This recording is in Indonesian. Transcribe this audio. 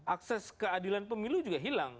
akses keadilan pemilu juga hilang